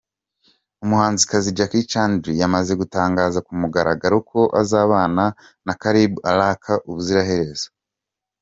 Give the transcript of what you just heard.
Umuhanzikazi Jackie Chandiru yamaze gutangaza ku mugaragaro ko azabana na Caleb Alaka ubuziraherezo.